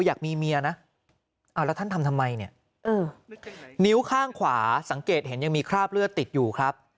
อยากมีเมียนะแล้วท่านทำทำไมเนี่ยนิ้วข้างขวาสังเกตเห็นยังมีคราบเลือดติดอยู่ครับ